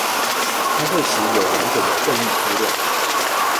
開會時有完整的會議資料